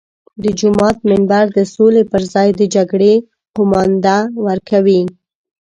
د جومات منبر د سولې پر ځای د جګړې قومانده ورکوي.